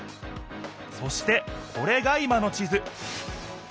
そしてこれが今の地図。